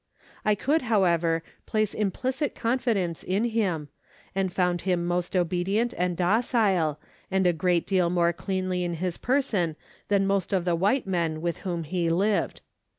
I could, however, place implicit confi dence in him, and found him most obedient and docile, and a great deal more cleanly in his person than most of the white men with whom he lived.